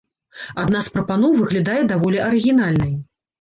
Адна з прапаноў выглядае даволі арыгінальнай.